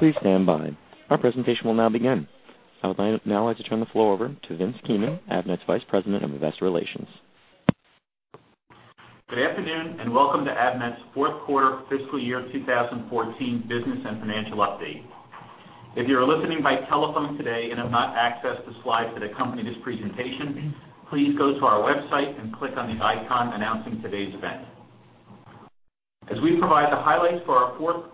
Please stand by. Our presentation will now begin. I would like to turn the floor over to Vince Keenan, Avnet's Vice President of Investor Relations. Good afternoon, and welcome to Avnet's fourth quarter fiscal year 2014 business and financial update. If you are listening by telephone today and have not accessed the slides that accompany this presentation, please go to our website and click on the icon announcing today's event. As we provide the highlights for our fourth quarter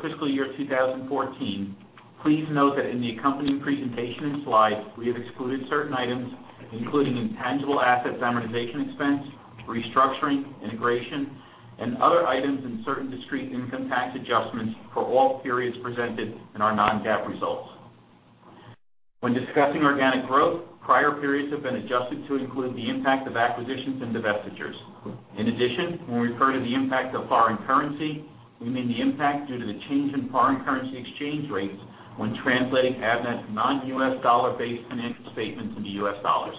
fiscal year 2014, please note that in the accompanying presentation and slides, we have excluded certain items, including intangible asset amortization expense, restructuring, integration, and other items, and certain discrete income tax adjustments for all periods presented in our non-GAAP results. When discussing organic growth, prior periods have been adjusted to include the impact of acquisitions and divestitures. In addition, when we refer to the impact of foreign currency, we mean the impact due to the change in foreign currency exchange rates when translating Avnet's non-US dollar-based financial statements into US dollars.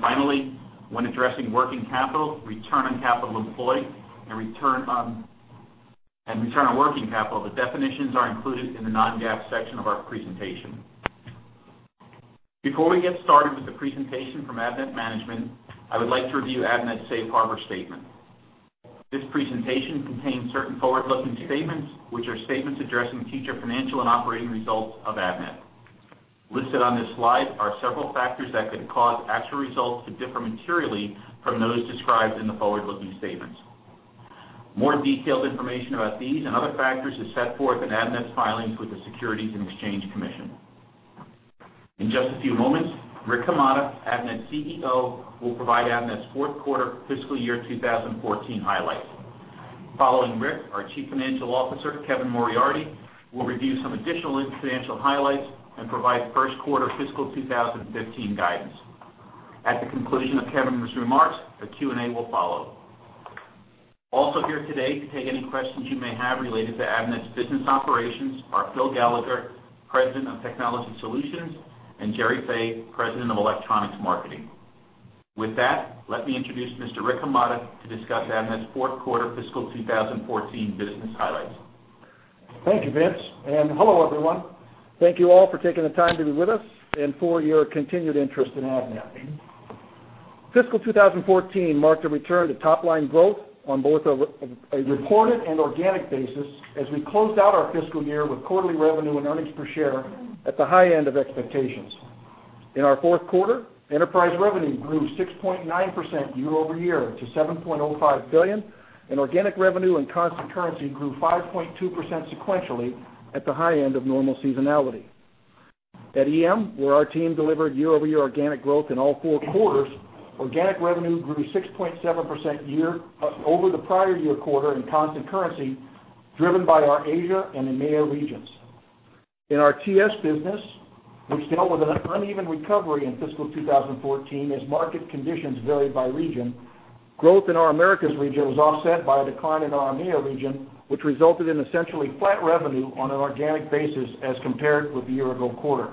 Finally, when addressing working capital, return on capital employed, and return on working capital, the definitions are included in the non-GAAP section of our presentation. Before we get started with the presentation from Avnet management, I would like to review Avnet's safe harbor statement. This presentation contains certain forward-looking statements, which are statements addressing the future financial and operating results of Avnet. Listed on this slide are several factors that could cause actual results to differ materially from those described in the forward-looking statements. More detailed information about these and other factors is set forth in Avnet's filings with the Securities and Exchange Commission. In just a few moments, Rick Hamada, Avnet's CEO, will provide Avnet's fourth quarter fiscal year 2014 highlights. Following Rick, our Chief Financial Officer, Kevin Moriarty, will review some additional financial highlights and provide first quarter fiscal 2015 guidance. At the conclusion of Kevin's remarks, a Q&A will follow. Also here today to take any questions you may have related to Avnet's business operations are Phil Gallagher, President of Technology Solutions, and Gerry Fay, President of Electronics Marketing. With that, let me introduce Mr. Rick Hamada to discuss Avnet's fourth quarter fiscal 2014 business highlights. Thank you, Vince, and hello, everyone. Thank you all for taking the time to be with us and for your continued interest in Avnet. Fiscal 2014 marked a return to top-line growth on both a reported and organic basis, as we closed out our fiscal year with quarterly revenue and earnings per share at the high end of expectations. In our fourth quarter, enterprise revenue grew 6.9% year-over-year to $7.05 billion, and organic revenue and constant currency grew 5.2% sequentially at the high end of normal seasonality. At EM, where our team delivered year-over-year organic growth in all four quarters, organic revenue grew 6.7% year-over-year over the prior year quarter in constant currency, driven by our Asia and EMEA regions. In our TS business, which dealt with an uneven recovery in fiscal 2014 as market conditions varied by region, growth in our Americas region was offset by a decline in our EMEA region, which resulted in essentially flat revenue on an organic basis as compared with the year-ago quarter.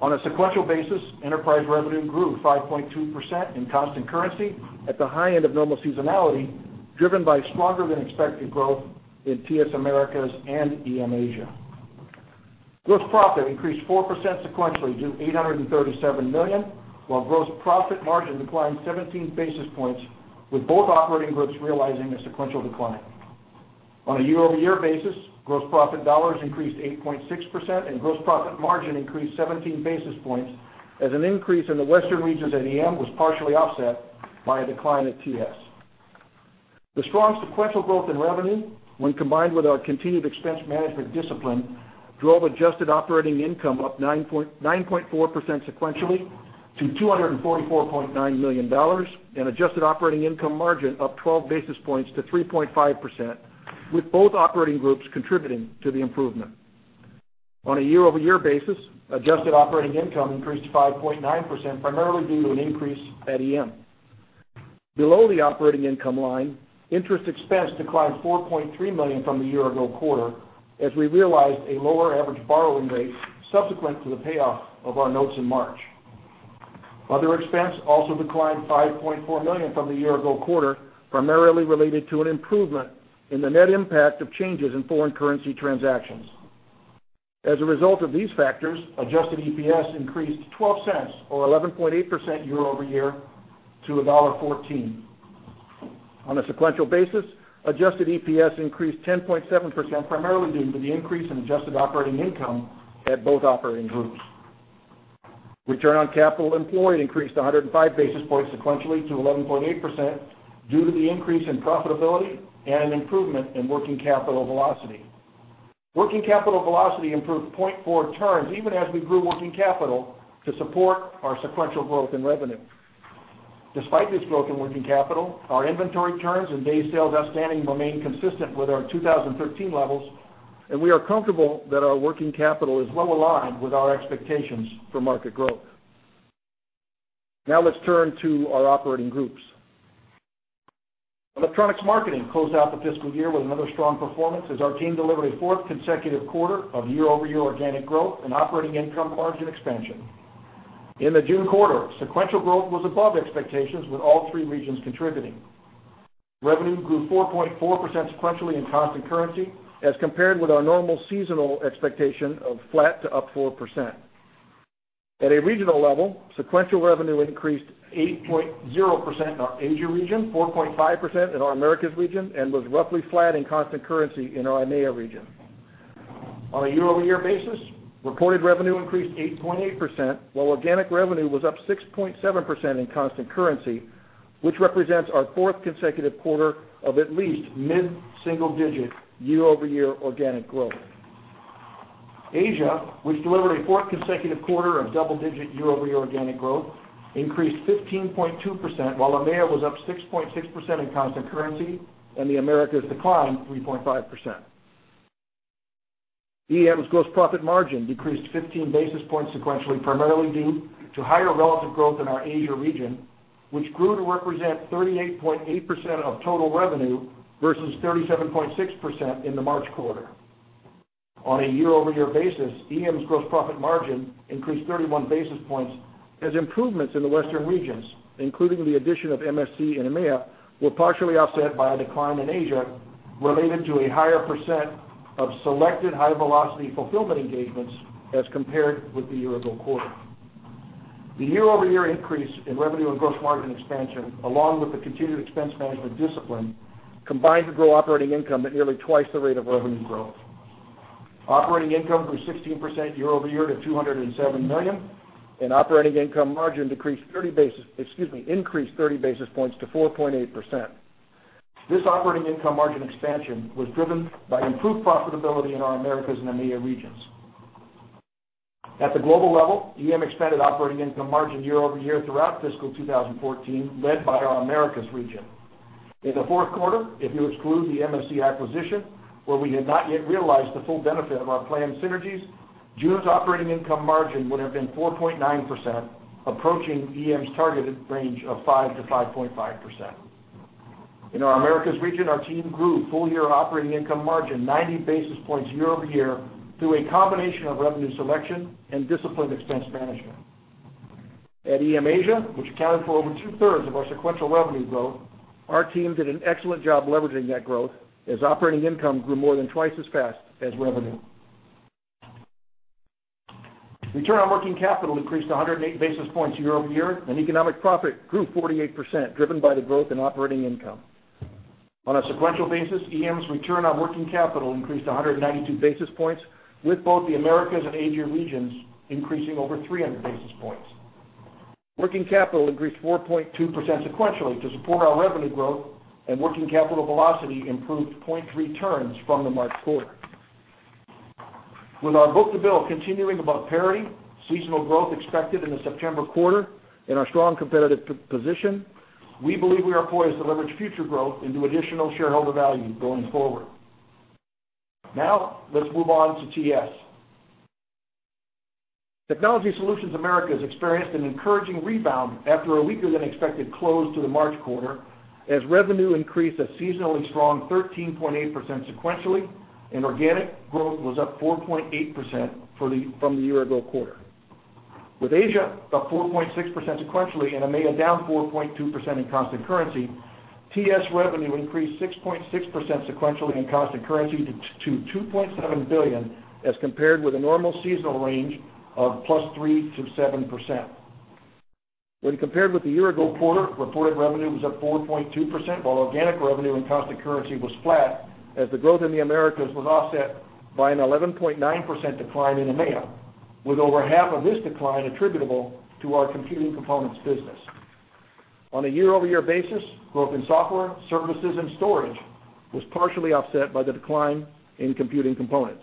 On a sequential basis, enterprise revenue grew 5.2% in constant currency at the high end of normal seasonality, driven by stronger than expected growth in TS Americas and EM Asia. Gross profit increased 4% sequentially to $837 million, while gross profit margin declined 17 basis points, with both operating groups realizing a sequential decline. On a year-over-year basis, gross profit dollars increased 8.6%, and gross profit margin increased 17 basis points, as an increase in the Western regions at EM was partially offset by a decline at TS. The strong sequential growth in revenue, when combined with our continued expense management discipline, drove adjusted operating income up 9.94% sequentially to $244.9 million, and adjusted operating income margin up 12 basis points to 3.5%, with both operating groups contributing to the improvement. On a year-over-year basis, adjusted operating income increased 5.9%, primarily due to an increase at EM. Below the operating income line, interest expense declined $4.3 million from the year-ago quarter, as we realized a lower average borrowing rate subsequent to the payoff of our notes in March. Other expense also declined $5.4 million from the year-ago quarter, primarily related to an improvement in the net impact of changes in foreign currency transactions. As a result of these factors, Adjusted EPS increased $0.12, or 11.8% year-over-year, to $1.14. On a sequential basis, adjusted EPS increased 10.7%, primarily due to the increase in adjusted operating income at both operating groups. Return on capital employed increased 105 basis points sequentially to 11.8% due to the increase in profitability and an improvement in working capital velocity. Working capital velocity improved 0.4 turns, even as we grew working capital to support our sequential growth in revenue. Despite this growth in working capital, our inventory turns and Days Sales Outstanding remain consistent with our 2013 levels, and we are comfortable that our working capital is well aligned with our expectations for market growth. Now, let's turn to our operating groups. Electronics Marketing closed out the fiscal year with another strong performance, as our team delivered a fourth consecutive quarter of year-over-year organic growth and operating income margin expansion. In the June quarter, sequential growth was above expectations, with all three regions contributing. Revenue grew 4.4% sequentially in constant currency as compared with our normal seasonal expectation of flat to up 4%. At a regional level, sequential revenue increased 8.0% in our Asia region, 4.5% in our Americas region, and was roughly flat in constant currency in our EMEA region. On a year-over-year basis, reported revenue increased 8.8%, while organic revenue was up 6.7% in constant currency, which represents our fourth consecutive quarter of at least mid-single digit year-over-year organic growth. Asia, which delivered a fourth consecutive quarter of double-digit year-over-year organic growth, increased 15.2%, while EMEA was up 6.6% in constant currency, and the Americas declined 3.5%. EM's gross profit margin decreased 15 basis points sequentially, primarily due to higher relative growth in our Asia region, which grew to represent 38.8% of total revenue versus 37.6% in the March quarter. On a year-over-year basis, EM's gross profit margin increased 31 basis points as improvements in the Western regions, including the addition of MSC in EMEA, were partially offset by a decline in Asia related to a higher percent of selected high-velocity fulfillment engagements as compared with the year-ago quarter. The year-over-year increase in revenue and gross margin expansion, along with the continued expense management discipline, combined to grow operating income at nearly twice the rate of revenue growth. Operating income grew 16% year-over-year to $207 million, and operating income margin decreased thirty basis points—excuse me, increased 30 basis points to 4.8%. This operating income margin expansion was driven by improved profitability in our Americas and EMEA regions. At the global level, EM expanded operating income margin year-over-year throughout fiscal 2014, led by our Americas region. In the fourth quarter, if you exclude the MSC acquisition, where we had not yet realized the full benefit of our planned synergies, EM's operating income margin would have been 4.9%, approaching EM's targeted range of 5%-5.5%. In our Americas region, our team grew full-year operating income margin 90 basis points year-over-year through a combination of revenue selection and disciplined expense management. At EM Asia, which accounted for over two-thirds of our sequential revenue growth, our team did an excellent job leveraging that growth, as operating income grew more than twice as fast as revenue. Return on working capital increased 108 basis points year-over-year, and economic profit grew 48%, driven by the growth in operating income. On a sequential basis, EM's return on working capital increased 192 basis points, with both the Americas and Asia regions increasing over 300 basis points. Working capital increased 4.2% sequentially to support our revenue growth, and working capital velocity improved 0.3 turns from the March quarter. With our book-to-bill continuing above parity, seasonal growth expected in the September quarter, and our strong competitive position, we believe we are poised to leverage future growth into additional shareholder value going forward. Now, let's move on to TS. Technology Solutions Americas experienced an encouraging rebound after a weaker-than-expected close to the March quarter, as revenue increased a seasonally strong 13.8% sequentially, and organic growth was up 4.8% from the year-ago quarter. With Asia up 4.6% sequentially and EMEA down 4.2% in constant currency, TS revenue increased 6.6% sequentially in constant currency to $2.7 billion, as compared with a normal seasonal range of +3%-7%. When compared with the year-ago quarter, reported revenue was up 4.2%, while organic revenue and constant currency was flat, as the growth in the Americas was offset by an 11.9% decline in EMEA, with over half of this decline attributable to our computing components business. On a year-over-year basis, growth in software, services, and storage was partially offset by the decline in computing components.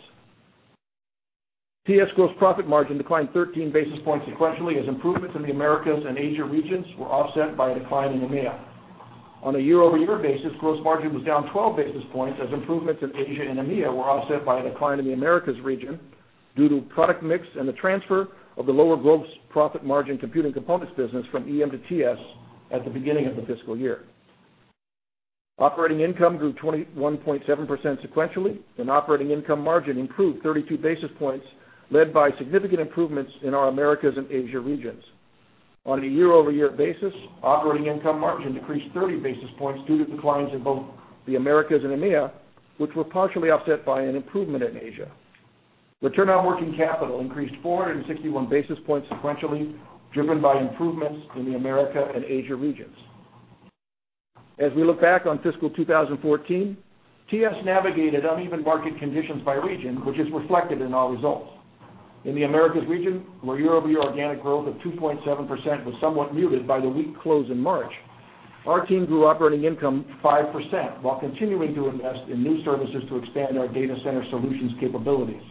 TS gross profit margin declined 13 basis points sequentially, as improvements in the Americas and Asia regions were offset by a decline in EMEA. On a year-over-year basis, gross margin was down 12 basis points, as improvements in Asia and EMEA were offset by a decline in the Americas region due to product mix and the transfer of the lower gross profit margin computing components business from EM to TS at the beginning of the fiscal year. Operating income grew 21.7% sequentially, and operating income margin improved 32 basis points, led by significant improvements in our Americas and Asia regions. On a year-over-year basis, operating income margin decreased 30 basis points due to declines in both the Americas and EMEA, which were partially offset by an improvement in Asia. Return on working capital increased 461 basis points sequentially, driven by improvements in the Americas and Asia regions. As we look back on fiscal 2014, TS navigated uneven market conditions by region, which is reflected in our results. In the Americas region, where year-over-year organic growth of 2.7% was somewhat muted by the weak close in March, our team grew operating income 5%, while continuing to invest in new services to expand our data center solutions capabilities.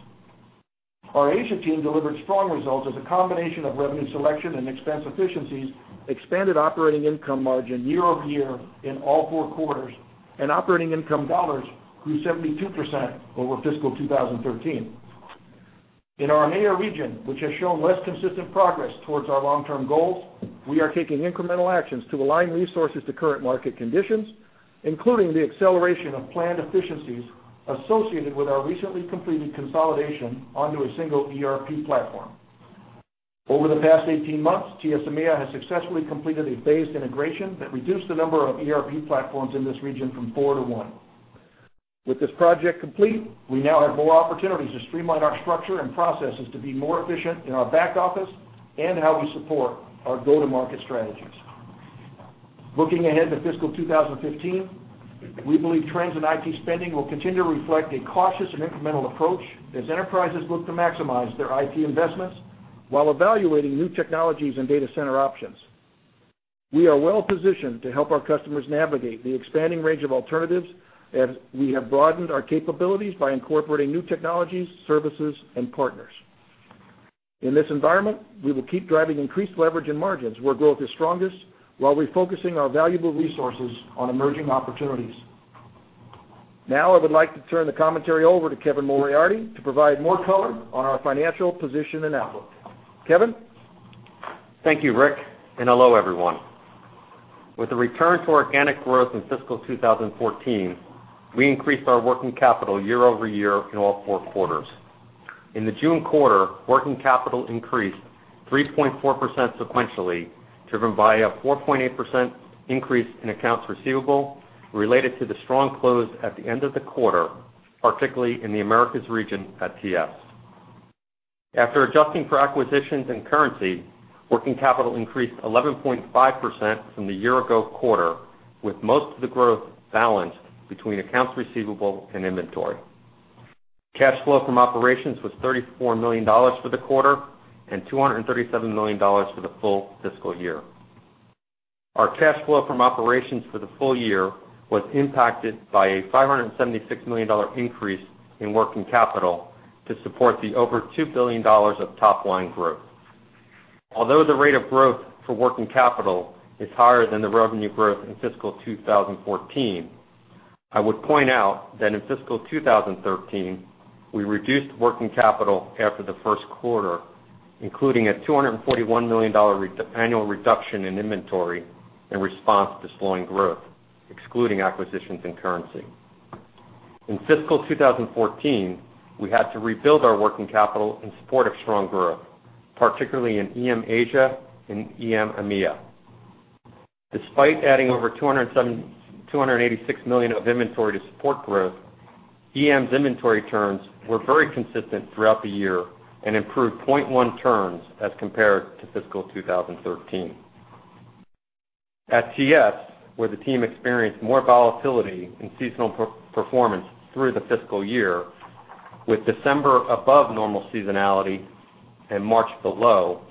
Our Asia team delivered strong results as a combination of revenue selection and expense efficiencies expanded operating income margin year-over-year in all four quarters, and operating income dollars grew 72% over fiscal 2013. In our EMEA region, which has shown less consistent progress towards our long-term goals, we are taking incremental actions to align resources to current market conditions, including the acceleration of planned efficiencies associated with our recently completed consolidation onto a single ERP platform. Over the past 18 months, TS EMEA has successfully completed a phased integration that reduced the number of ERP platforms in this region from four to one. With this project complete, we now have more opportunities to streamline our structure and processes to be more efficient in our back office and how we support our go-to-market strategies. Looking ahead to fiscal 2015, we believe trends in IT spending will continue to reflect a cautious and incremental approach as enterprises look to maximize their IT investments while evaluating new technologies and data center options. We are well positioned to help our customers navigate the expanding range of alternatives, as we have broadened our capabilities by incorporating new technologies, services, and partners. In this environment, we will keep driving increased leverage and margins where growth is strongest, while refocusing our valuable resources on emerging opportunities. Now, I would like to turn the commentary over to Kevin Moriarty to provide more color on our financial position and outlook. Kevin? Thank you, Rick, and hello, everyone. With a return to organic growth in fiscal 2014, we increased our working capital year-over-year in all four quarters. In the June quarter, working capital increased 3.4% sequentially, driven by a 4.8% increase in accounts receivable related to the strong close at the end of the quarter, particularly in the Americas region at TS. After adjusting for acquisitions and currency, working capital increased 11.5% from the year ago quarter, with most of the growth balanced between accounts receivable and inventory. Cash flow from operations was $34 million for the quarter and $237 million for the full fiscal year. Our cash flow from operations for the full year was impacted by a $576 million increase in working capital to support the over $2 billion of top line growth. Although the rate of growth for working capital is higher than the revenue growth in fiscal 2014, I would point out that in fiscal 2013, we reduced working capital after the first quarter, including a $241 million annual reduction in inventory in response to slowing growth, excluding acquisitions and currency. In fiscal 2014, we had to rebuild our working capital in support of strong growth, particularly in EM Asia and EM EMEA. Despite adding over 286 million of inventory to support growth, EM's inventory turns were very consistent throughout the year and improved 0.1 turns as compared to fiscal 2013. At TS, where the team experienced more volatility in seasonal performance through the fiscal year, with December above normal seasonality and March below,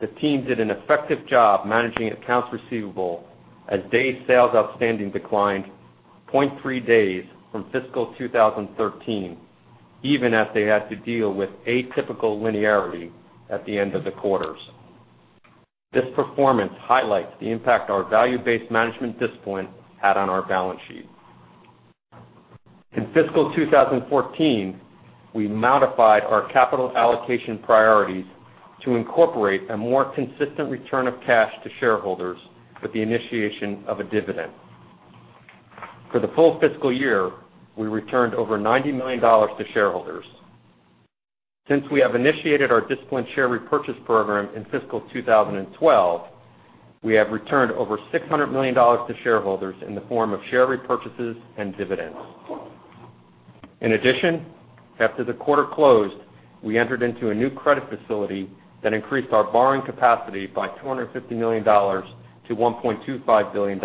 the team did an effective job managing accounts receivable as Days Sales Outstanding declined 0.3 days from fiscal 2013, even as they had to deal with atypical linearity at the end of the quarters. This performance highlights the impact our value-based management discipline had on our balance sheet. In fiscal 2014, we modified our capital allocation priorities to incorporate a more consistent return of cash to shareholders with the initiation of a dividend. For the full fiscal year, we returned over $90 million to shareholders. Since we have initiated our disciplined share repurchase program in fiscal 2012, we have returned over $600 million to shareholders in the form of share repurchases and dividends. In addition, after the quarter closed, we entered into a new credit facility that increased our borrowing capacity by $250 million to $1.25 billion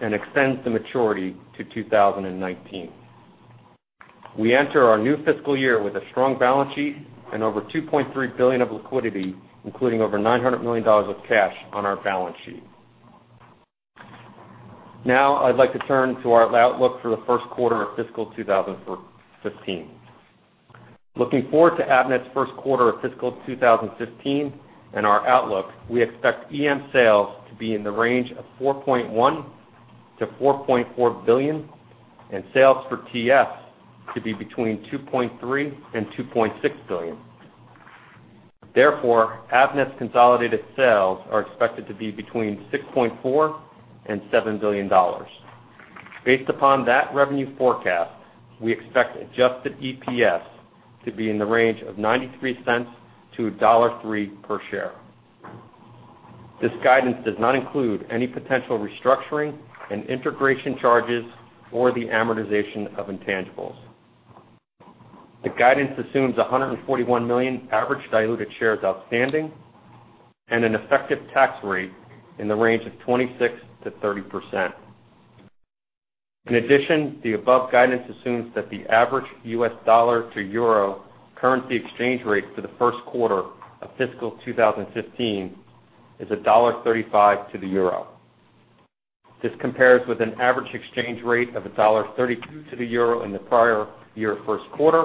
and extends the maturity to 2019. We enter our new fiscal year with a strong balance sheet and over $2.3 billion of liquidity, including over $900 million of cash on our balance sheet. Now, I'd like to turn to our outlook for the first quarter of fiscal 2015. Looking forward to Avnet's first quarter of fiscal 2015 and our outlook, we expect EM sales to be in the range of $4.1 billion-$4.4 billion, and sales for TS to be between $2.3 billion-$2.6 billion. Therefore, Avnet's consolidated sales are expected to be between $6.4 billion-$7 billion. Based upon that revenue forecast, we expect Adjusted EPS to be in the range of $0.93-$1.03 per share. This guidance does not include any potential restructuring and integration charges or the amortization of intangibles. The guidance assumes 141 million average diluted shares outstanding and an effective tax rate in the range of 26%-30%. In addition, the above guidance assumes that the average US dollar to euro currency exchange rate for the first quarter of fiscal 2015 is $1.35 to the euro. This compares with an average exchange rate of $1.32 to the euro in the prior year first quarter,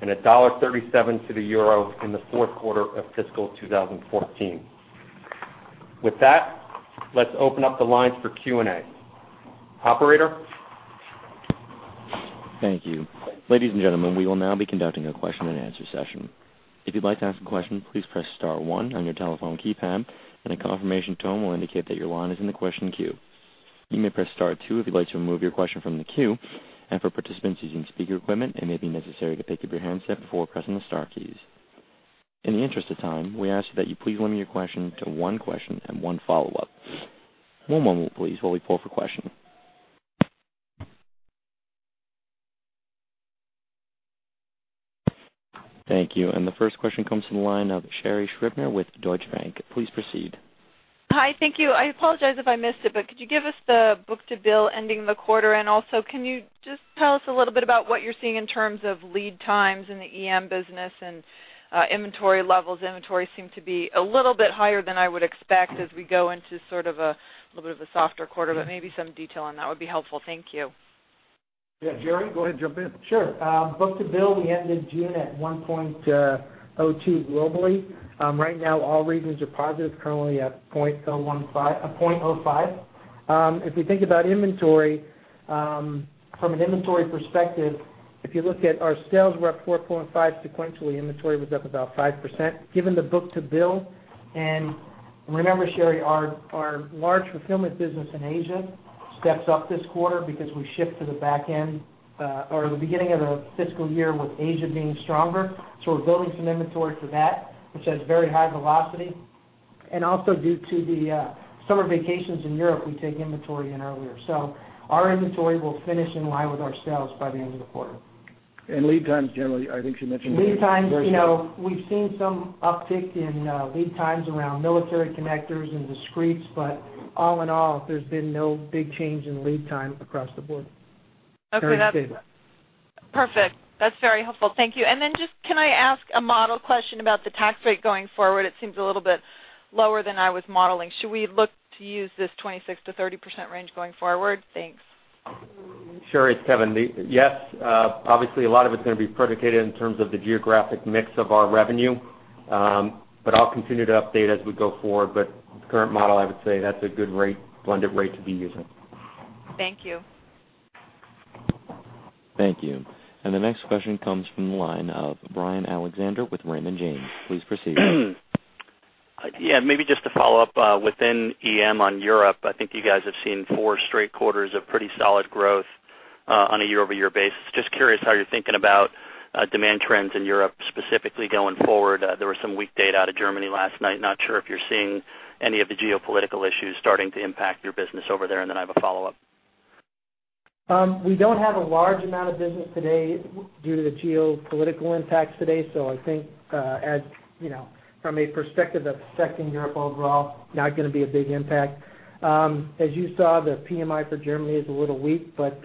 and $1.37 to the euro in the fourth quarter of fiscal 2014. With that, let's open up the lines for Q&A. Operator? Thank you. Ladies and gentlemen, we will now be conducting a question-and-answer session. If you'd like to ask a question, please press star one on your telephone keypad, and a confirmation tone will indicate that your line is in the question queue. You may press star two if you'd like to remove your question from the queue. For participants using speaker equipment, it may be necessary to pick up your handset before pressing the star keys. In the interest of time, we ask that you please limit your question to one question and one follow-up. One moment, please, while we pull for questions. Thank you. The first question comes from the line of Sherri Scribner with Deutsche Bank. Please proceed. Hi, thank you. I apologize if I missed it, but could you give us the book-to-bill ending the quarter? And also, can you just tell us a little bit about what you're seeing in terms of lead times in the EM business and inventory levels? Inventories seem to be a little bit higher than I would expect as we go into sort of a little bit of a softer quarter, but maybe some detail on that would be helpful. Thank you. Yeah, Gerry, go ahead and jump in. Sure. Book-to-bill, we ended June at 1.02 globally. Right now, all regions are positive, currently at 1.05. If you think about inventory, from an inventory perspective, if you look at our sales were up 4.5% sequentially, inventory was up about 5%. Given the book-to-bill, and remember, Sherri, our large fulfillment business in Asia steps up this quarter because we ship to the back end, or the beginning of the fiscal year, with Asia being stronger. So we're building some inventory for that, which has very high velocity. And also, due to the summer vacations in Europe, we take inventory in earlier. So our inventory will finish in line with our sales by the end of the quarter. Lead times, generally, I think she mentioned. Lead times, you know, we've seen some uptick in lead times around military connectors and discretes, but all in all, there's been no big change in lead time across the board. Okay, that's... Very stable. Perfect. That's very helpful. Thank you. And then just, can I ask a model question about the tax rate going forward? It seems a little bit lower than I was modeling. Should we look to use this 26%-30% range going forward? Thanks. Sherri, it's Kevin. Yes, obviously, a lot of it's gonna be predicated in terms of the geographic mix of our revenue, but I'll continue to update as we go forward. But the current model, I would say that's a good rate, blended rate to be using. Thank you. Thank you. And the next question comes from the line of Brian Alexander with Raymond James. Please proceed. Yeah, maybe just to follow up, within EM on Europe, I think you guys have seen four straight quarters of pretty solid growth, on a year-over-year basis. Just curious how you're thinking about, demand trends in Europe, specifically going forward. There was some weak data out of Germany last night. Not sure if you're seeing any of the geopolitical issues starting to impact your business over there, and then I have a follow-up. We don't have a large amount of business today due to the geopolitical impacts today. So I think, as you know, from a perspective of affecting Europe overall, not gonna be a big impact. As you saw, the PMI for Germany is a little weak, but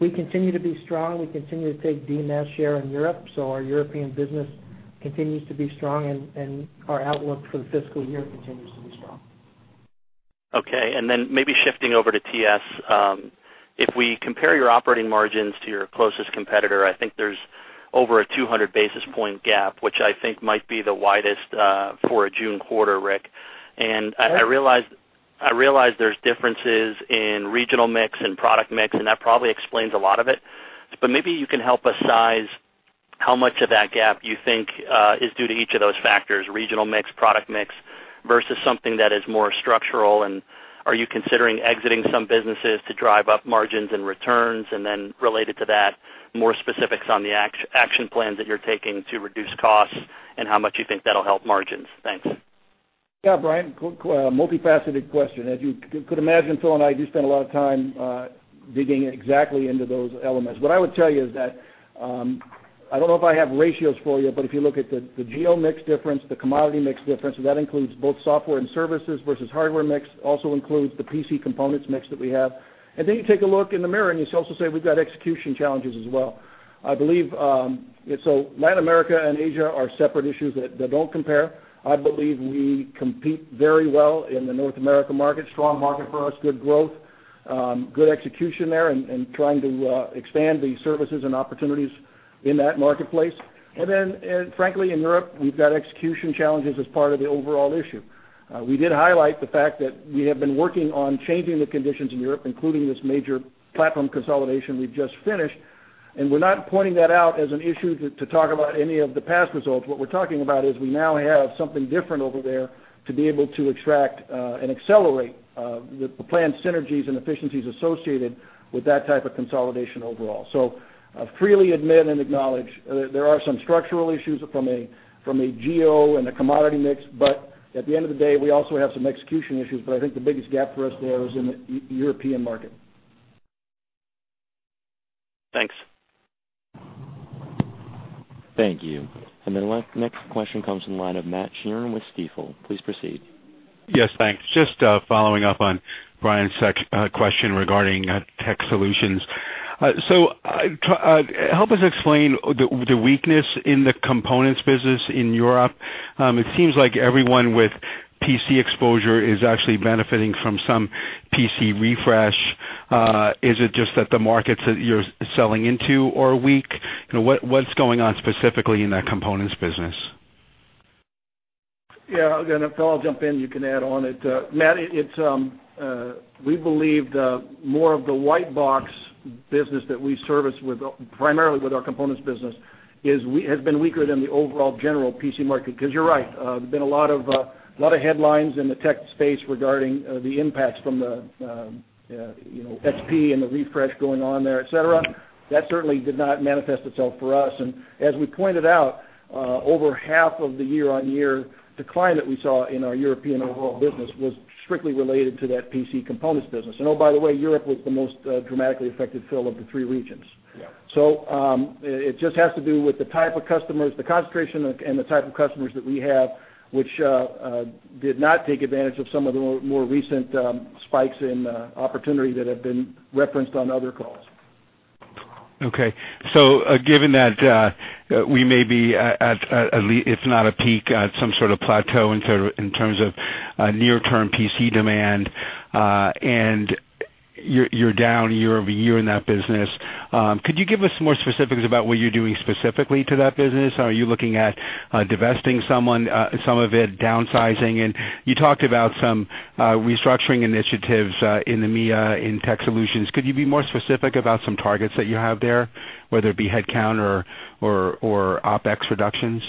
we continue to be strong. We continue to take DMS share in Europe, so our European business continues to be strong and our outlook for the fiscal year continues to be strong. Okay, and then maybe shifting over to TS, if we compare your operating margins to your closest competitor, I think there's over a 200 basis point gap, which I think might be the widest for a June quarter, Rick. Okay. I, I realize, I realize there's differences in regional mix and product mix, and that probably explains a lot of it, but maybe you can help us size how much of that gap you think is due to each of those factors, regional mix, product mix, versus something that is more structural, and are you considering exiting some businesses to drive up margins and returns? Then related to that, more specifics on the action plan that you're taking to reduce costs and how much you think that'll help margins. Thanks. Yeah, Brian, quick, multifaceted question. As you could imagine, Phil and I do spend a lot of time digging exactly into those elements. What I would tell you is that, I don't know if I have ratios for you, but if you look at the, the geo mix difference, the commodity mix difference, that includes both software and services versus hardware mix, also includes the PC components mix that we have. And then you take a look in the mirror, and you also say, we've got execution challenges as well. I believe, so Latin America and Asia are separate issues that don't compare. I believe we compete very well in the North America market. Strong market for us, good growth, good execution there, and trying to expand the services and opportunities in that marketplace. And then, frankly, in Europe, we've got execution challenges as part of the overall issue. We did highlight the fact that we have been working on changing the conditions in Europe, including this major platform consolidation we've just finished. And we're not pointing that out as an issue to, to talk about any of the past results. What we're talking about is we now have something different over there to be able to attract, and accelerate, the planned synergies and efficiencies associated with that type of consolidation overall. So I freely admit and acknowledge, there are some structural issues from a geo and a commodity mix, but at the end of the day, we also have some execution issues, but I think the biggest gap for us there is in the European market. Thanks. Thank you. The next question comes from the line of Matt Sheerin with Stifel. Please proceed. Yes, thanks. Just following up on Brian's question regarding Tech Solutions. So, help us explain the weakness in the components business in Europe. It seems like everyone with PC exposure is actually benefiting from some PC refresh. Is it just that the markets that you're selling into are weak? You know, what's going on specifically in that components business? Yeah, and Phil, I'll jump in, you can add on it. Matt, it's, we believe the, more of the white box business that we service with, primarily with our components business, has been weaker than the overall general PC market. 'Cause you're right, there's been a lot of, lot of headlines in the tech space regarding, the impacts from the, you know, XP and the refresh going on there, et cetera. That certainly did not manifest itself for us. And as we pointed out, over half of the year-on-year decline that we saw in our European overall business was strictly related to that PC components business. And oh, by the way, Europe was the most, dramatically affected, Phil, of the three regions. Yeah. So, it just has to do with the type of customers, the concentration and the type of customers that we have, which did not take advantage of some of the more recent spikes in opportunity that have been referenced on other calls. Okay. So, given that, we may be at least, if not a peak, at some sort of plateau in terms of near-term PC demand, and you're down year-over-year in that business, could you give us some more specifics about what you're doing specifically to that business? Are you looking at divesting someone, some of it, downsizing? And you talked about some restructuring initiatives in EMEA, in Tech Solutions. Could you be more specific about some targets that you have there, whether it be headcount or OpEx reductions?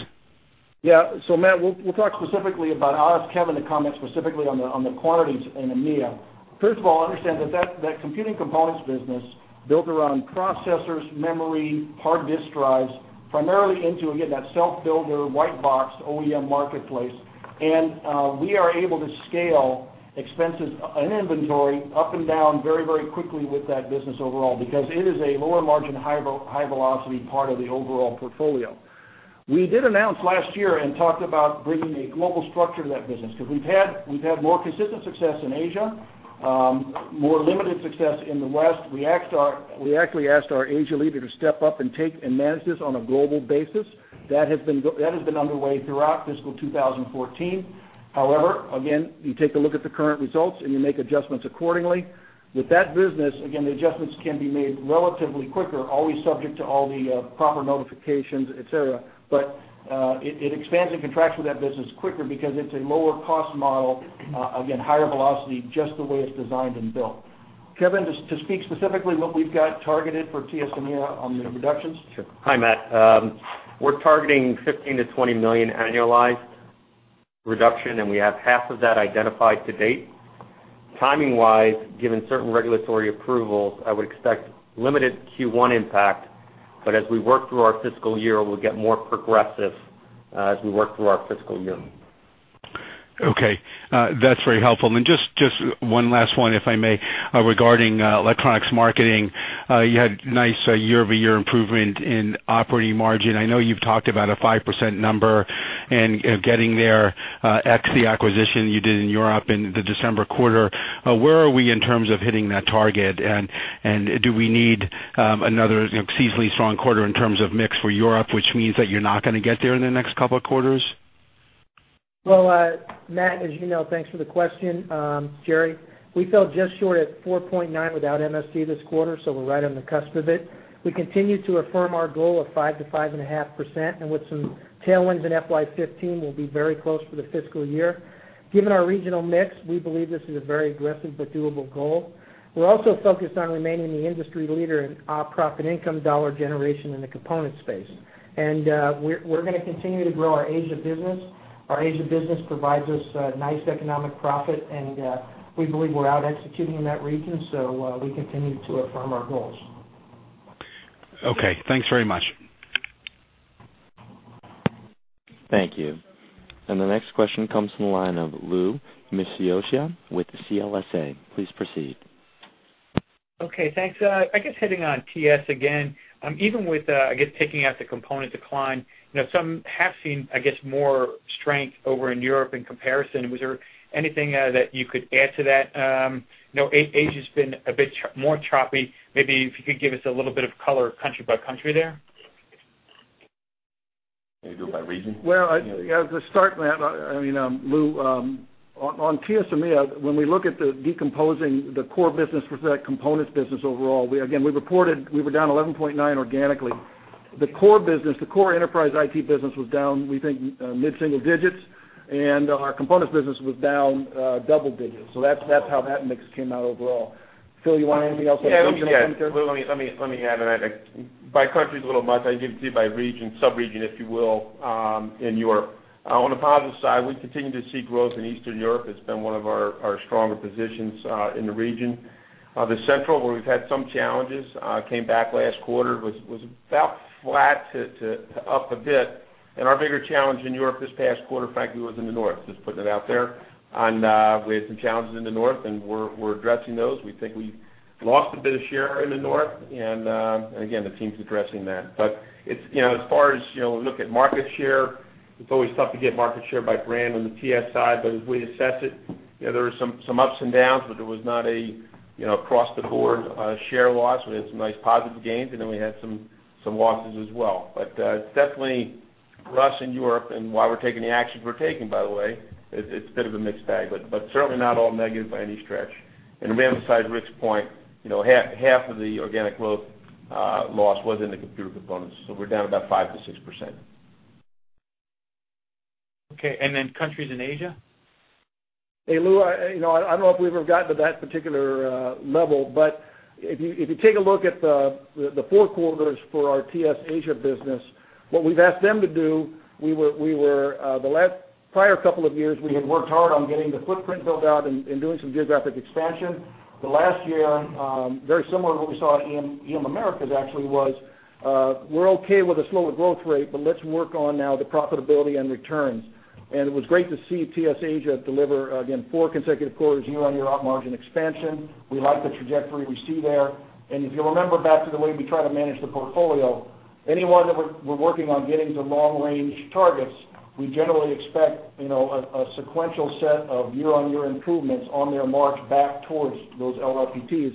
Yeah. So Matt, we'll talk specifically about... I'll ask Kevin to comment specifically on the quantities in EMEA. First of all, understand that computing components business built around processors, memory, hard disk drives, primarily into, again, that self-builder, white box, OEM marketplace. And we are able to scale expenses and inventory up and down very, very quickly with that business overall, because it is a lower margin, high velocity part of the overall portfolio. We did announce last year and talked about bringing a global structure to that business, because we've had more consistent success in Asia, more limited success in the West. We actually asked our Asia leader to step up and take and manage this on a global basis. That has been underway throughout fiscal 2014. However, again, you take a look at the current results, and you make adjustments accordingly. With that business, again, the adjustments can be made relatively quicker, always subject to all the proper notifications, et cetera. But, it expands and contracts with that business quicker because it's a lower cost model, again, higher velocity, just the way it's designed and built. Kevin, to speak specifically, what we've got targeted for TS EMEA on the reductions? Sure. Hi, Matt. We're targeting $15 million-$20 million annualized reduction, and we have half of that identified to date. Timing-wise, given certain regulatory approvals, I would expect limited Q1 impact, but as we work through our fiscal year, we'll get more progressive, as we work through our fiscal year. Okay. That's very helpful. And just one last one, if I may, regarding Electronics Marketing. You had nice year-over-year improvement in operating margin. I know you've talked about a 5% number and getting there, ex the acquisition you did in Europe in the December quarter. Where are we in terms of hitting that target? And do we need another, you know, seasonally strong quarter in terms of mix for Europe, which means that you're not going to get there in the next couple of quarters? Well, Matt, as you know, thanks for the question, Gerry. We fell just short at 4.9 without MSC this quarter, so we're right on the cusp of it. We continue to affirm our goal of 5%-5.5%, and with some tailwinds in FY 2015, we'll be very close for the fiscal year. Given our regional mix, we believe this is a very aggressive but doable goal. We're also focused on remaining the industry leader in operating profit income dollar generation in the component space. And, we're going to continue to grow our Asia business. Our Asia business provides us nice economic profit, and, we believe we're out executing in that region, so, we continue to affirm our goals. Okay, thanks very much. Thank you. And the next question comes from the line of Louis Miscioscia with CLSA. Please proceed. Okay, thanks. I guess hitting on TS again, even with, I guess, taking out the component decline, you know, some have seen, I guess, more strength over in Europe in comparison. Was there anything that you could add to that? You know, Asia's been a bit more choppy. Maybe if you could give us a little bit of color, country by country there? Can you go by region? Well, yeah, to start, Matt, I mean, Lou, on TS EMEA, when we look at decomposing the core business versus that components business overall, we again, we reported we were down 11.9 organically. The core business, the core enterprise IT business was down, we think, mid-single digits, and our components business was down, double digits. So that's, that's how that mix came out overall. Phil, you want anything else to add? Yeah, let me just add on that. By country, it's a little much. I can give it to you by region, sub-region, if you will, in Europe. On the positive side, we continue to see growth in Eastern Europe. It's been one of our stronger positions in the region. The Central, where we've had some challenges, came back last quarter, was about flat to up a bit. And our bigger challenge in Europe this past quarter, frankly, was in the North. Just putting it out there. And we had some challenges in the North, and we're addressing those. We think we lost a bit of share in the North, and again, the team's addressing that. But it's, you know, as far as, you know, we look at market share, it's always tough to get market share by brand on the TS side, but as we assess it, you know, there were some ups and downs, but there was not a, you know, across-the-board share loss. We had some nice positive gains, and then we had some losses as well. But it's definitely rough in Europe, and while we're taking the actions we're taking, by the way, it's a bit of a mixed bag, but certainly not all negative by any stretch. And to emphasize Rick's point, you know, half of the organic growth loss was in the computer components, so we're down about 5%-6%. Okay, and then countries in Asia? Hey, Lou, you know, I don't know if we've ever gotten to that particular level, but if you take a look at the four quarters for our TS Asia business. What we've asked them to do, the last prior couple of years, we had worked hard on getting the footprint built out and doing some geographic expansion. The last year, very similar to what we saw in EM Americas, actually, we're okay with a slower growth rate, but let's work on now the profitability and returns. And it was great to see TS Asia deliver, again, four consecutive quarters, year-on-year op margin expansion. We like the trajectory we see there. If you'll remember back to the way we try to manage the portfolio, anyone that we're working on getting to long-range targets, we generally expect, you know, a sequential set of year-on-year improvements on their march back towards those LRFTs.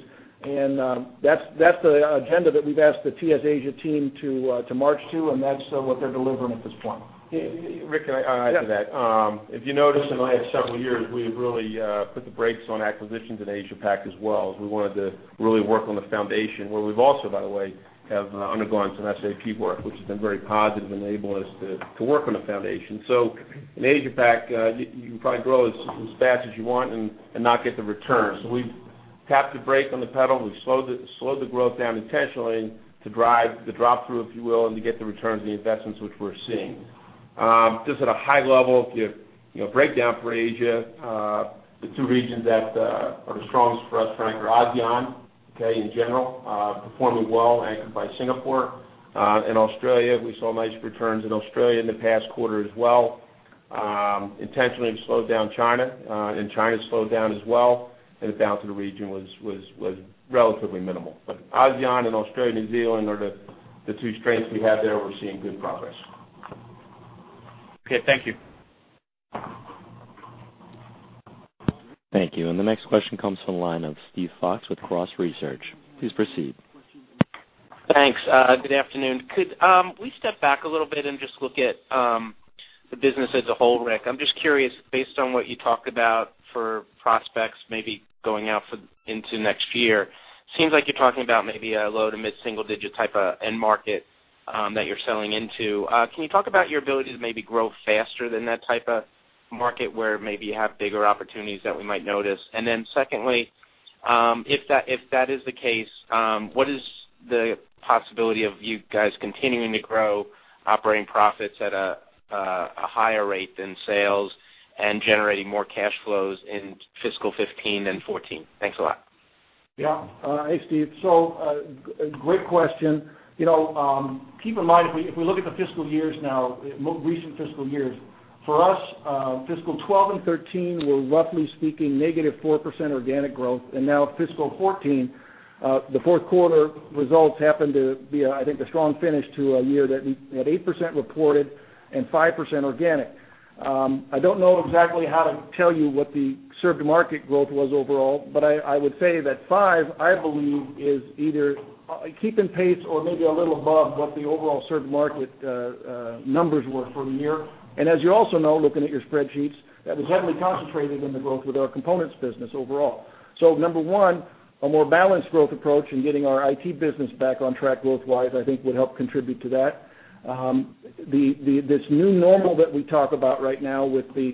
That's the agenda that we've asked the TS Asia team to march to, and that's what they're delivering at this point. Rick, can I add to that? Yeah. If you notice, in the last several years, we've really put the brakes on acquisitions in Asia Pac as well, as we wanted to really work on the foundation, where we've also, by the way, have undergone some SAP work, which has been very positive, enabling us to work on the foundation. So in Asia Pac, you can probably grow as fast as you want and not get the return. So we've tapped the brake on the pedal. We've slowed the growth down intentionally to drive the drop-through, if you will, and to get the returns on the investments, which we're seeing. Just at a high level, if you know, break down for Asia, the two regions that are the strongest for us are ASEAN, okay, in general, performing well, anchored by Singapore. In Australia, we saw nice returns in Australia in the past quarter as well. Intentionally have slowed down China, and China slowed down as well, and the balance of the region was relatively minimal. But ASEAN and Australia, New Zealand are the two strengths we have there, and we're seeing good progress. Okay. Thank you. Thank you. The next question comes from the line of Steve Fox with Cross Research. Please proceed. Thanks. Good afternoon. Could we step back a little bit and just look at the business as a whole, Rick? I'm just curious, based on what you talked about for prospects, maybe going out for, into next year, seems like you're talking about maybe a low to mid-single digit type of end market that you're selling into. Can you talk about your ability to maybe grow faster than that type of market, where maybe you have bigger opportunities that we might notice? And then secondly, if that is the case, what is the possibility of you guys continuing to grow operating profits at a higher rate than sales and generating more cash flows in fiscal 2015 than 2014? Thanks a lot. Yeah. Hey, Steve. So, great question. You know, keep in mind, if we look at the fiscal years now, more recent fiscal years, for us, fiscal 2012 and 2013 were, roughly speaking, -4% organic growth. And now fiscal 2014, the fourth quarter results happened to be, I think, a strong finish to a year that had 8% reported and 5% organic. I don't know exactly how to tell you what the served market growth was overall, but I would say that five, I believe, is either keeping pace or maybe a little above what the overall served market numbers were for the year. And as you also know, looking at your spreadsheets, that was heavily concentrated in the growth with our components business overall. So number one, a more balanced growth approach in getting our IT business back on track growth-wise, I think would help contribute to that. This new normal that we talk about right now with the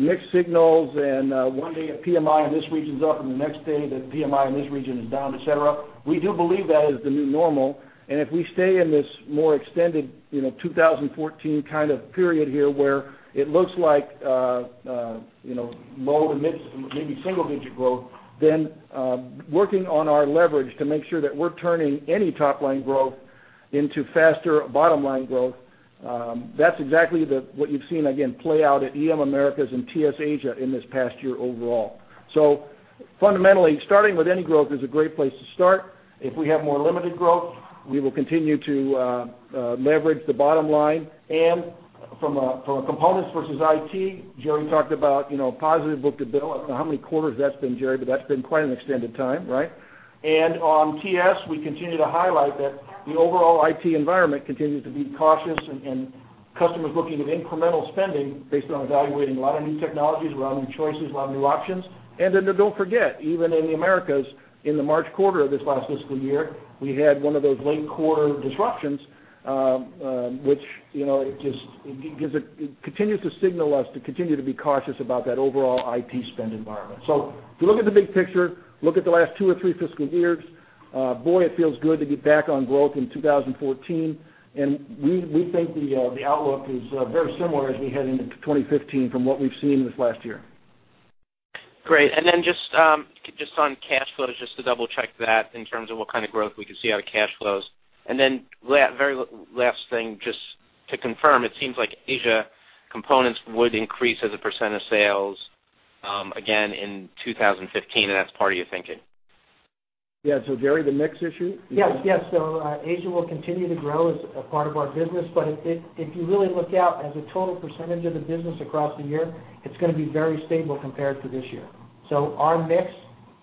mixed signals and one day a PMI in this region's up, and the next day, the PMI in this region is down, et cetera, we do believe that is the new normal. And if we stay in this more extended, you know, 2014 kind of period here, where it looks like, you know, low-to-mid, maybe single-digit growth, then working on our leverage to make sure that we're turning any top-line growth into faster bottom-line growth, that's exactly the, what you've seen, again, play out at EM Americas and TS Asia in this past year overall. So fundamentally, starting with any growth is a great place to start. If we have more limited growth, we will continue to leverage the bottom line. And from a, from a components versus IT, Gerry talked about, you know, positive book-to-bill. I don't know how many quarters that's been, Gerry, but that's been quite an extended time, right? And on TS, we continue to highlight that the overall IT environment continues to be cautious and customers looking at incremental spending based on evaluating a lot of new technologies, a lot of new choices, a lot of new options. And then don't forget, even in the Americas, in the March quarter of this last fiscal year, we had one of those late quarter disruptions, which, you know, it just, it gives a -- it continues to signal us to continue to be cautious about that overall IT spend environment. So if you look at the big picture, look at the last two or three fiscal years, boy, it feels good to be back on growth in 2014. And we, we think the, the outlook is, very similar as we head into 2015 from what we've seen this last year. Great. And then just, just on cash flows, just to double-check that in terms of what kind of growth we could see out of cash flows. And then last thing, just to confirm, it seems like Asia components would increase as a percent of sales, again in 2015, and that's part of your thinking? Yeah. So Gerry, the mix issue? Yes, yes. So, Asia will continue to grow as a part of our business, but if you really look out, as a total percentage of the business across the year, it's gonna be very stable compared to this year. So our mix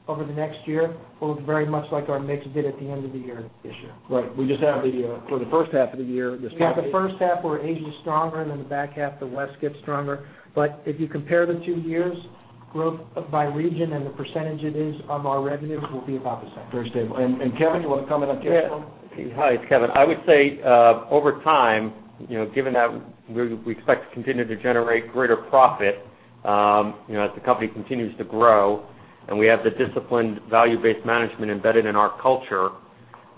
over the next year will look very much like our mix did at the end of the year, this year. Right. We just have the, for the first half of the year, the strong- We have the first half, where Asia is stronger, and then the back half, the West gets stronger. But if you compare the two years, growth by region and the percentage it is of our revenues will be about the same. Very stable. And, Kevin, you want to comment on cash flow? Yeah. Hi, it's Kevin. I would say, over time, you know, given that we expect to continue to generate greater profit, you know, as the company continues to grow, and we have the disciplined value-based management embedded in our culture-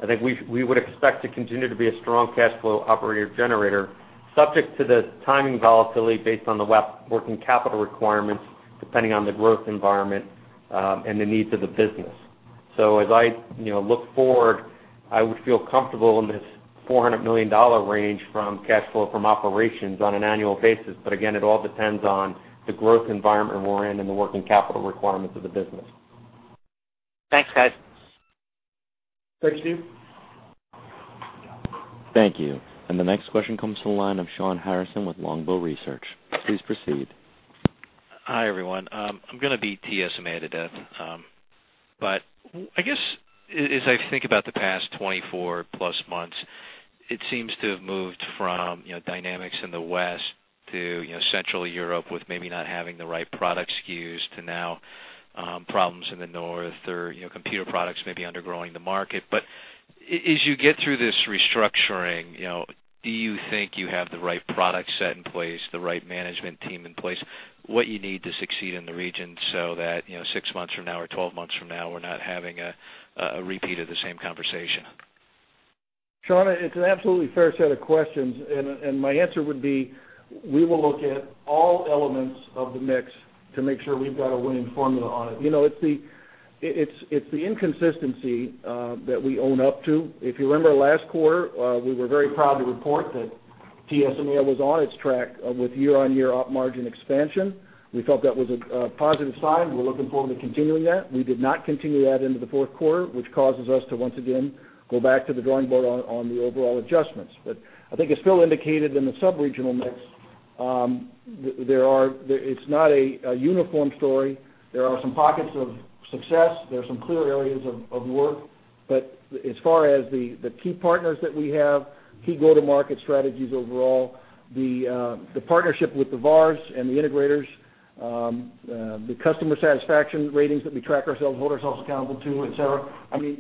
I think we, we would expect to continue to be a strong cash flow operator generator, subject to the timing volatility based on the working capital requirements, depending on the growth environment, and the needs of the business. So as I, you know, look forward, I would feel comfortable in this $400 million range from cash flow from operations on an annual basis. But again, it all depends on the growth environment we're in and the working capital requirements of the business. Thanks, guys. Thanks, Steve. Thank you. And the next question comes from the line of Sean Harrison with Longbow Research. Please proceed. Hi, everyone. I'm gonna beat TS EMEA to death. But I guess, as I think about the past 24+ months, it seems to have moved from, you know, dynamics in the West to, you know, Central Europe, with maybe not having the right product SKUs, to now, problems in the North or, you know, computer products maybe undergrowing the market. But as you get through this restructuring, you know, do you think you have the right product set in place, the right management team in place, what you need to succeed in the region so that, you know, six months from now or 12 months from now, we're not having a repeat of the same conversation? Sean, it's an absolutely fair set of questions, and my answer would be, we will look at all elements of the mix to make sure we've got a winning formula on it. You know, it's the inconsistency that we own up to. If you remember last quarter, we were very proud to report that TS EMEA was on its track with year-on-year op margin expansion. We felt that was a positive sign. We're looking forward to continuing that. We did not continue that into the fourth quarter, which causes us to once again go back to the drawing board on the overall adjustments. But I think it's still indicated in the subregional mix. There, it's not a uniform story. There are some pockets of success, there are some clear areas of work. But as far as the key partners that we have, key go-to-market strategies overall, the partnership with the VARs and the integrators, the customer satisfaction ratings that we track ourselves, hold ourselves accountable to, et cetera. I mean,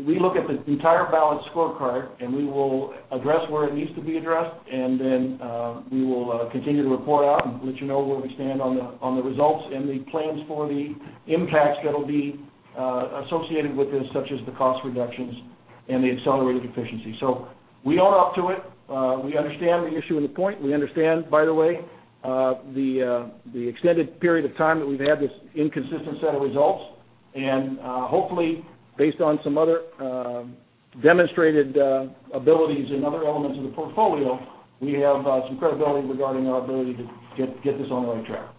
we look at the entire balanced scorecard, and we will address where it needs to be addressed, and then we will continue to report out and let you know where we stand on the results and the plans for the impacts that'll be associated with this, such as the cost reductions and the accelerated efficiency. So we own up to it. We understand the issue and the point. We understand, by the way, the extended period of time that we've had this inconsistent set of results. Hopefully, based on some other demonstrated abilities and other elements of the portfolio, we have some credibility regarding our ability to get this on the right track.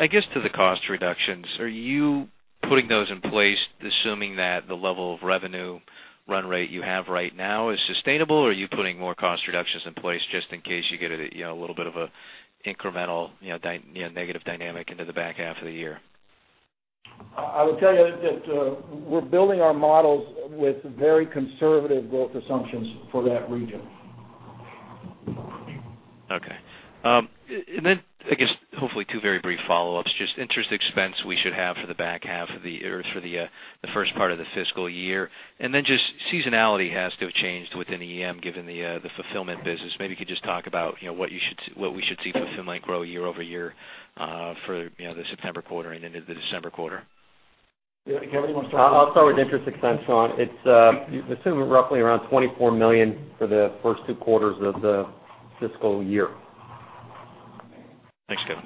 I guess, to the cost reductions, are you putting those in place, assuming that the level of revenue run rate you have right now is sustainable, or are you putting more cost reductions in place just in case you get a, you know, a little bit of a incremental, you know, negative dynamic into the back half of the year? I will tell you that, we're building our models with very conservative growth assumptions for that region. Okay. And then, I guess, hopefully, two very brief follow-ups. Just interest expense we should have for the back half of the year, or for the first part of the fiscal year. And then just seasonality has to have changed within EM, given the fulfillment business. Maybe you could just talk about, you know, what we should see fulfillment grow year-over-year, for, you know, the September quarter and into the December quarter. Yeah, Kevin, you want to start? I'll start with interest expense, Sean. It's assuming roughly around $24 million for the first two quarters of the fiscal year. Thanks, Kevin.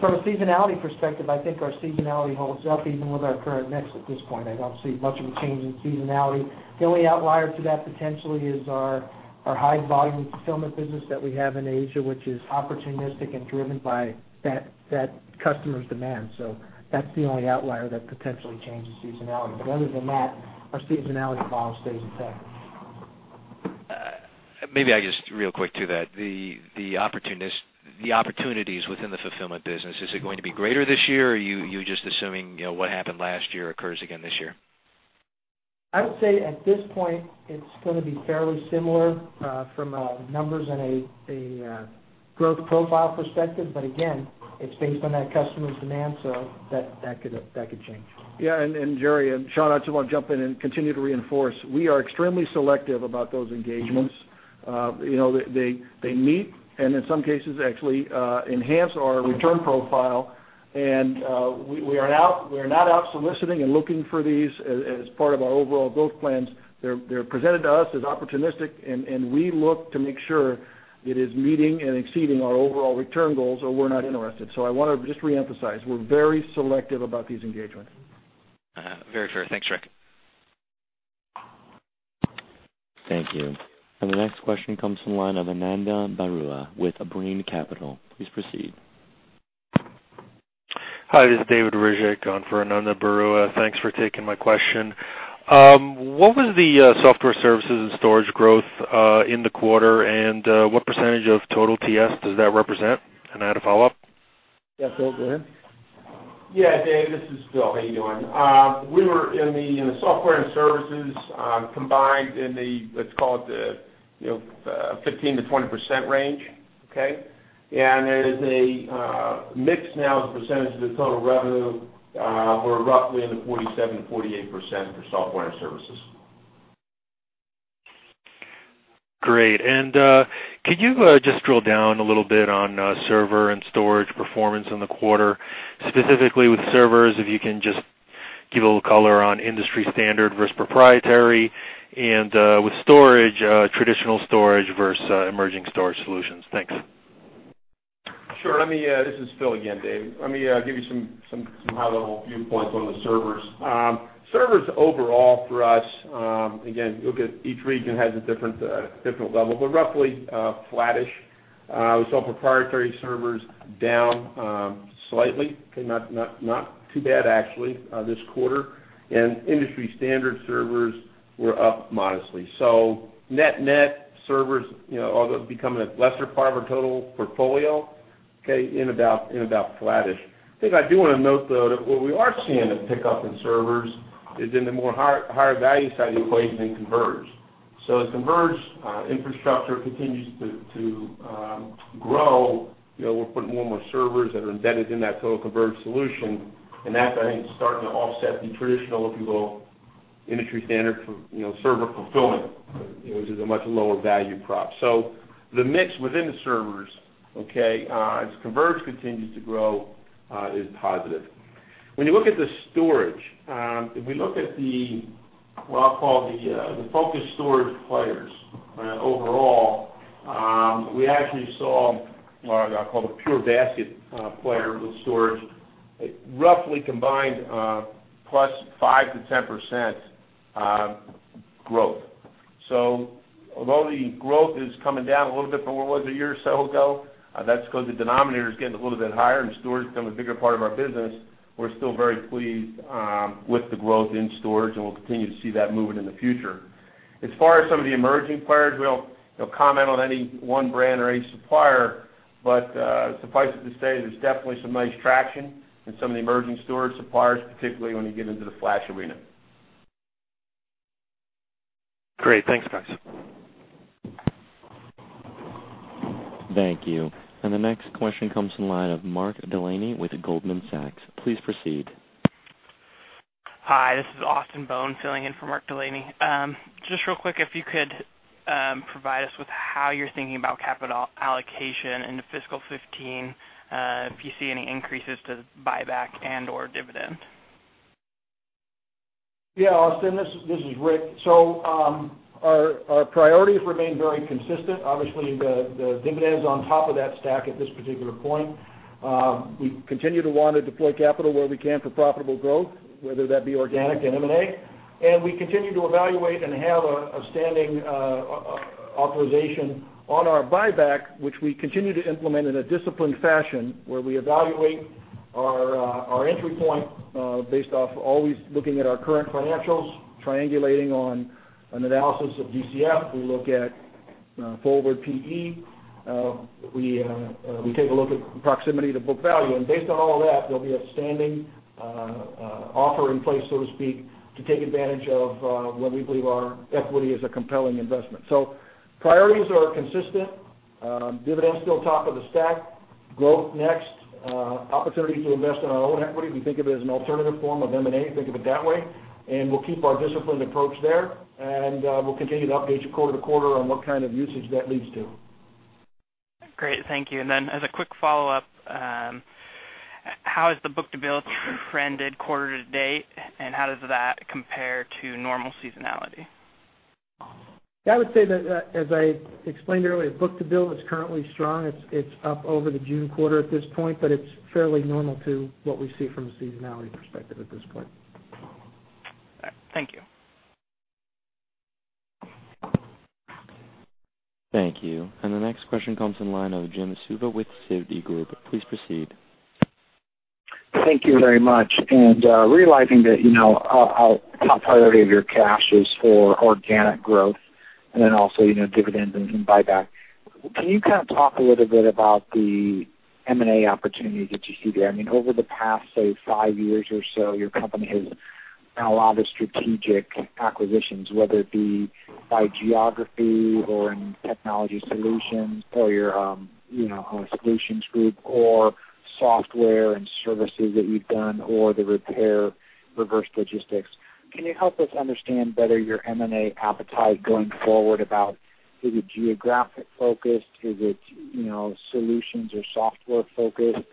From a seasonality perspective, I think our seasonality holds up even with our current mix at this point. I don't see much of a change in seasonality. The only outlier to that potentially is our high volume fulfillment business that we have in Asia, which is opportunistic and driven by that customer's demand. So that's the only outlier that potentially changes seasonality. But other than that, our seasonality model stays intact. Maybe I just real quick to that, the opportunities within the fulfillment business, is it going to be greater this year, or you, you're just assuming, you know, what happened last year occurs again this year? I would say at this point, it's gonna be fairly similar from a numbers and a growth profile perspective, but again, it's based on that customer's demand, so that could change. Yeah, Gerry and Sean, I just want to jump in and continue to reinforce, we are extremely selective about those engagements. You know, they meet, and in some cases, actually, enhance our return profile. We are not out soliciting and looking for these as part of our overall growth plans. They're presented to us as opportunistic, and we look to make sure it is meeting and exceeding our overall return goals, or we're not interested. So I want to just reemphasize, we're very selective about these engagements. Very fair. Thanks, Rick. Thank you. And the next question comes from the line of Ananda Baruah with Brean Capital. Please proceed. Hi, this is David Ryzhik, on for Ananda Baruah. Thanks for taking my question. What was the software services and storage growth in the quarter? And what percentage of total TS does that represent? And I had a follow-up. Yeah, Phil, go ahead. Yeah, Dave, this is Phil. How you doing? We were in the software and services combined in the, let's call it the, you know, 15%-20% range, okay? And there's a mix now as a percentage of the total revenue, we're roughly in the 47%-48% for software and services. Great. And, could you, just drill down a little bit on, server and storage performance in the quarter, specifically with servers, if you can just give a little color on industry standard versus proprietary, and, with storage, traditional storage versus, emerging storage solutions? Thanks. Sure. Let me—this is Phil again, Dave. Let me give you some high-level viewpoints on the servers. Servers overall for us, again, each region has a different level, but roughly, flattish. We saw proprietary servers down slightly, okay? Not too bad actually, this quarter. And industry standard servers were up modestly. So net-net, servers, you know, although becoming a lesser part of our total portfolio, okay, in about flattish. The thing I do want to note, though, is that where we are seeing a pickup in servers is in the higher value side of the equation in converged. So as converged infrastructure continues to grow, you know, we're putting more and more servers that are embedded in that total converged solution, and that, I think, is starting to offset the traditional, if you will, industry standard for, you know, server fulfillment, you know, which is a much lower value prop. So the mix within the servers, okay, as converged continues to grow, is positive. When you look at the storage, if we look at the, what I'll call the focused storage players, overall, we actually saw, I'll call it the pure basket player with storage, roughly combined +5%-10% growth. So although the growth is coming down a little bit from where it was a year or so ago, that's 'cause the denominator is getting a little bit higher, and storage has become a bigger part of our business, we're still very pleased with the growth in storage, and we'll continue to see that moving in the future. As far as some of the emerging players, we don't, you know, comment on any one brand or any supplier, but, suffice it to say, there's definitely some nice traction in some of the emerging storage suppliers, particularly when you get into the flash arena. Great. Thanks, guys. Thank you. The next question comes from the line of Mark Delaney with Goldman Sachs. Please proceed. Hi, this is Austin Bone filling in for Mark Delaney. Just real quick, if you could, provide us with how you're thinking about capital allocation into fiscal 2015, if you see any increases to buyback and/or dividend? Yeah, Austin, this is Rick. So, our priorities remain very consistent. Obviously, the dividend's on top of that stack at this particular point. We continue to want to deploy capital where we can for profitable growth, whether that be organic and M&A, and we continue to evaluate and have a standing authorization on our buyback, which we continue to implement in a disciplined fashion, where we evaluate our entry point based off always looking at our current financials, triangulating on an analysis of DCF. We look at forward PE, we take a look at proximity to book value. And based on all of that, there'll be a standing offer in place, so to speak, to take advantage of when we believe our equity is a compelling investment. So priorities are consistent. Dividend's still top of the stack, growth next, opportunity to invest in our own equity. We think of it as an alternative form of M&A, think of it that way, and we'll keep our disciplined approach there, and we'll continue to update you quarter to quarter on what kind of usage that leads to. Great. Thank you. And then, as a quick follow-up, how is the book-to-bill trended quarter to date, and how does that compare to normal seasonality? I would say that, as I explained earlier, book-to-bill is currently strong. It's, it's up over the June quarter at this point, but it's fairly normal to what we see from a seasonality perspective at this point. All right. Thank you. Thank you. The next question comes from the line of Jim Suva with Citigroup. Please proceed. Thank you very much. And, realizing that, you know, how priority of your cash is for organic growth and then also, you know, dividends and buyback, can you kind of talk a little bit about the M&A opportunities that you see there? I mean, over the past, say, five years or so, your company has done a lot of strategic acquisitions, whether it be by geography or in Technology Solutions or your, you know, solutions group or software and services that you've done or the repair reverse logistics. Can you help us understand better your M&A appetite going forward about is it geographic focused? Is it, you know, solutions or software focused?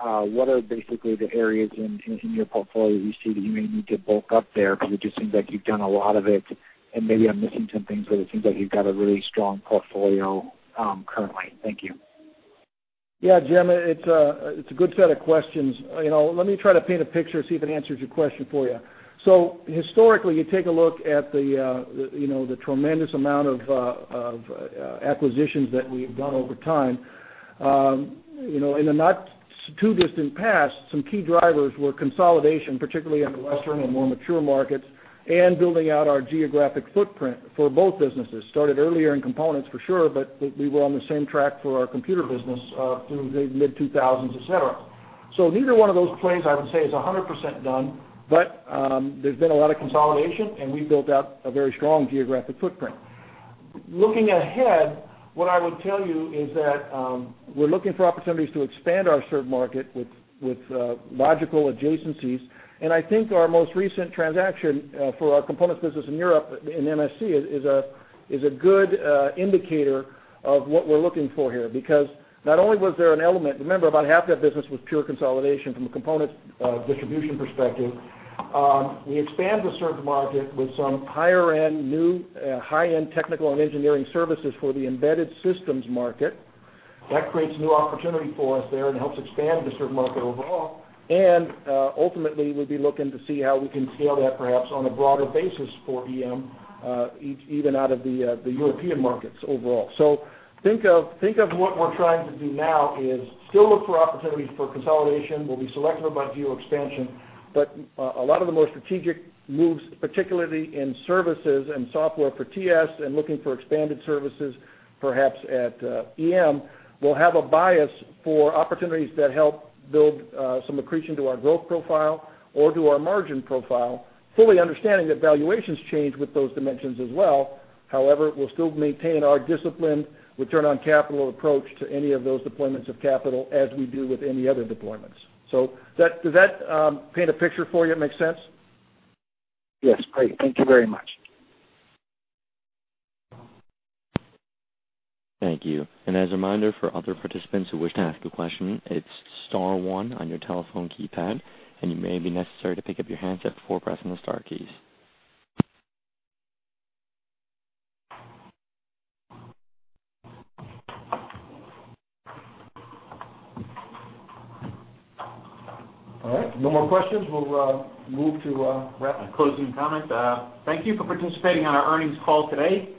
What are basically the areas in your portfolio you see that you may need to bulk up there? Because it just seems like you've done a lot of it, and maybe I'm missing some things, but it seems like you've got a really strong portfolio, currently. Thank you. Yeah, Jim, it's a good set of questions. You know, let me try to paint a picture, see if it answers your question for you. So historically, you take a look at the, you know, the tremendous amount of acquisitions that we've done over time, you know, in the not too distant past, some key drivers were consolidation, particularly in the Western and more mature markets, and building out our geographic footprint for both businesses. Started earlier in components, for sure, but we, we were on the same track for our computer business, through the mid-2000s, et cetera. So neither one of those plays, I would say, is 100% done, but, there's been a lot of consolidation, and we built out a very strong geographic footprint. Looking ahead, what I would tell you is that we're looking for opportunities to expand our served market with logical adjacencies. And I think our most recent transaction for our components business in Europe, in MSC, is a good indicator of what we're looking for here, because not only was there an element, remember, about half that business was pure consolidation from a component distribution perspective. We expanded the served market with some higher-end, new high-end technical and engineering services for the embedded systems market. That creates new opportunity for us there and helps expand the served market overall. And ultimately, we'll be looking to see how we can scale that perhaps on a broader basis for EM even out of the European markets overall. So think of what we're trying to do now is still look for opportunities for consolidation. We'll be selective about geo expansion, but a lot of the more strategic moves, particularly in services and software for TS and looking for expanded services, perhaps at EM, will have a bias for opportunities that help build some accretion to our growth profile or to our margin profile, fully understanding that valuations change with those dimensions as well. However, we'll still maintain our disciplined return on capital approach to any of those deployments of capital, as we do with any other deployments. So that does that paint a picture for you? It makes sense? Yes. Great. Thank you very much. Thank you. As a reminder for other participants who wish to ask a question, it's star one on your telephone keypad, and it may be necessary to pick up your handset before pressing the star keys. All right. No more questions. We'll move to closing comments. Thank you for participating on our earnings call today.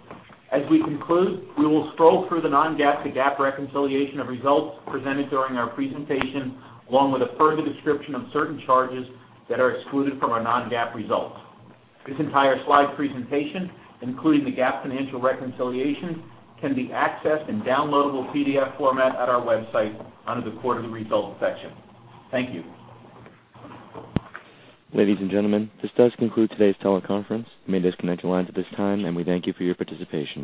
As we conclude, we will scroll through the non-GAAP to GAAP reconciliation of results presented during our presentation, along with a further description of certain charges that are excluded from our non-GAAP results. This entire slide presentation, including the GAAP financial reconciliation, can be accessed in downloadable PDF format at our website under the Quarterly Results section. Thank you. Ladies and gentlemen, this does conclude today's teleconference. You may disconnect your lines at this time, and we thank you for your participation.